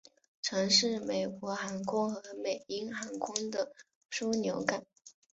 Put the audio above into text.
曾是美国航空和美鹰航空的枢杻港。